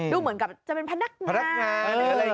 ดูเหมือนกับจะเป็นพนักงาน